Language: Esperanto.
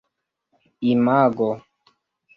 imago